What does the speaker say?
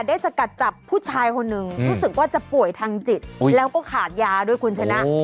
สกัดจับผู้ชายคนหนึ่งรู้สึกว่าจะป่วยทางจิตแล้วก็ขาดยาด้วยคุณชนะ